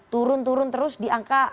turun turun terus diangkat